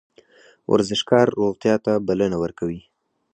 ورزشکار روغتیا ته بلنه ورکوي